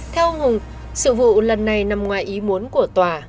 theo ông hùng sự vụ lần này nằm ngoài ý muốn của tòa